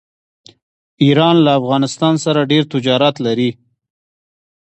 ایران له افغانستان سره ډیر تجارت لري.